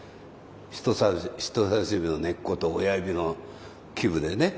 人さし指の根っこと親指のでね。